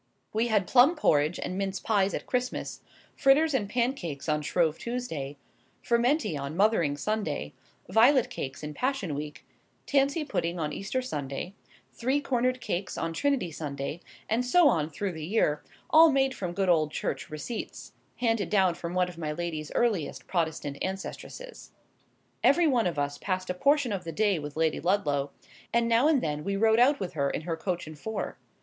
We had plum porridge and mince pies at Christmas, fritters and pancakes on Shrove Tuesday, furmenty on Mothering Sunday, violet cakes in Passion Week, tansy pudding on Easter Sunday, three cornered cakes on Trinity Sunday, and so on through the year: all made from good old Church receipts, handed down from one of my lady's earliest Protestant ancestresses. Every one of us passed a portion of the day with Lady Ludlow; and now and then we rode out with her in her coach and four.